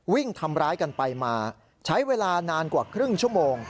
วิ่งทำร้ายกันไปมาใช้เวลานานกว่าครึ่งชั่วโมง